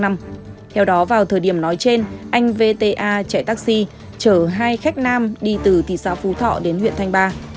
theo đó vào thời điểm nói trên anh v t a chạy taxi chở hai khách nam đi từ thị xã phú thọ đến huyện thanh ba